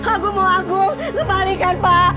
aku ingin aku kembalikan pak